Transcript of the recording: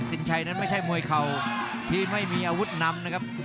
สินชัยนั้นไม่ใช่มวยเข่าที่ไม่มีอาวุธนำนะครับ